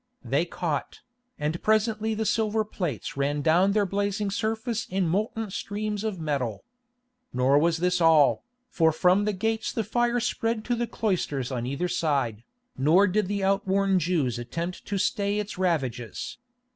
They caught, and presently the silver plates ran down their blazing surface in molten streams of metal. Nor was this all, for from the gates the fire spread to the cloisters on either side, nor did the outworn Jews attempt to stay its ravages.